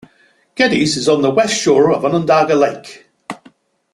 Geddes is on the west shore of Onondaga Lake.